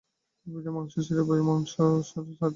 এ বিধায় মাংসাশীরা ভয়ে মাংসাহার ছাড়তে চায় না।